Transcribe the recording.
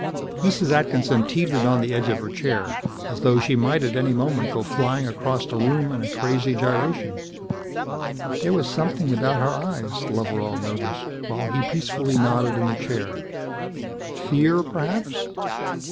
Mrs. Atkinson teetered on the edge of her chair, as though she might at any moment go flying across the room in a crazy gyration. There was something about her eyes, Loveral noticed, while he peacefully nodded in the chair. Fear, perhaps.